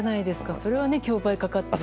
それは競売かかっても。